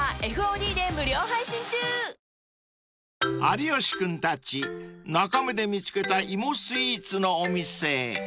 ［有吉君たち中目で見つけた芋スイーツのお店へ］